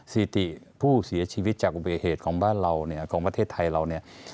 ซีติผู้เสียชีวิตจากอุบัติเหตุของบ้านเราของประเทศไทยเรา